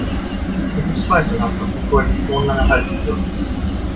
Es ist zweifelhaft, ob die Koalition lange halten wird.